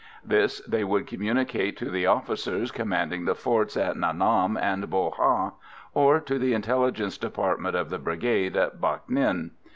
This they would communicate to the officers commanding the forts at Nha Nam and Bo Ha, or to the Intelligence Department of the Brigade at Bac Ninh.